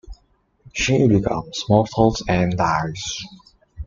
She becomes mortal and dies.